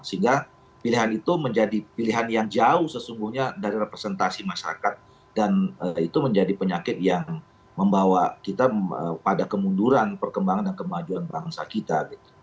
sehingga pilihan itu menjadi pilihan yang jauh sesungguhnya dari representasi masyarakat dan itu menjadi penyakit yang membawa kita pada kemunduran perkembangan dan kemajuan bangsa kita